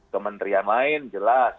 kementerian lain jelas